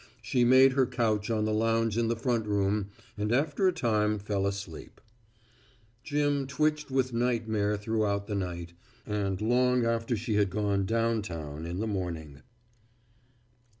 She made her couch on the lounge in the front room and after a time fell asleep. Jim twitched with nightmare throughout the night, and long after she had gone downtown in the morning.